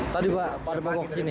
tadi pada mogok gini ya